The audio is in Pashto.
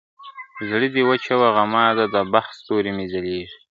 زړه دي وچوه غمازه د بخت ستوری مي ځلیږي ..